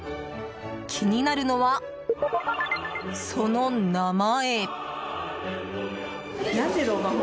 気になるのは、その名前。